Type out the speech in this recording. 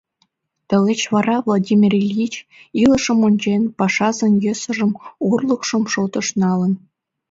Тылеч вара Владимир Ильич, илышым ончен, пашазын йӧсыжым, орлыкшым шотыш налын.